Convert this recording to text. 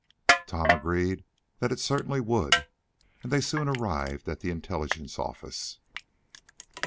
Tom agreed that it certainly would, and they soon after arrived at the intelligence office.